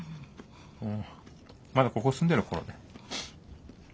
うんまだここ住んでるころね。